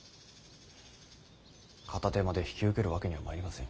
片手間で引き受けるわけにはまいりません。